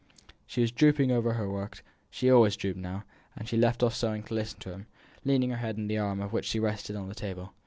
She was drooping over her work she always drooped now and she left off sewing to listen to him, leaning her head on the arm which rested on the table.